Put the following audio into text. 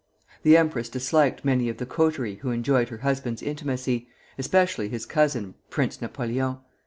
The empress disliked many of the coterie who enjoyed her husband's intimacy, especially his cousin, Prince Napoleon.